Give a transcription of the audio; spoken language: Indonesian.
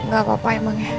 gak apa apa emang ya